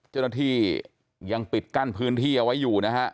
เจ้าหน้าที่ยังปิดกั้นพื้นที่เอาไว้อยู่นะฮะ